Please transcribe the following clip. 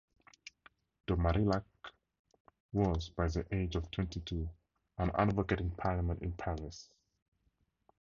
De Marillac was, by the age of twenty-two, an advocate in parliament in Paris.